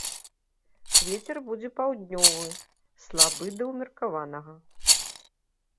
Вецер будзе паўднёвы, слабы да ўмеркаванага.